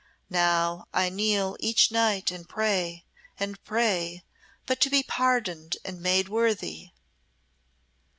Now I kneel each night and pray, and pray, but to be pardoned and made worthy."